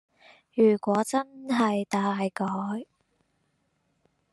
如果真的大改